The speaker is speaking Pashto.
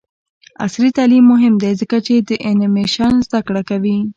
عصري تعلیم مهم دی ځکه چې د انیمیشن زدکړه کوي.